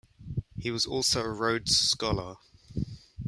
He was also a Rhodes Scholar.